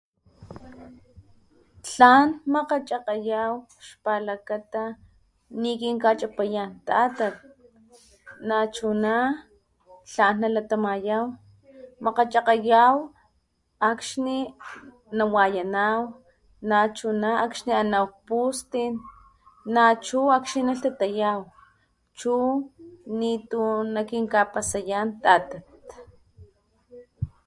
Tlan makgachakgayaw xpalakata nikinkachapayan tatat nachuna tlan nalatamayaw makgacchakgayaw akxni nawayanaw nachuna akxni anaw nak pustin nachu akxni nalhtatayaw chu nitu nakinkapasayan tatat.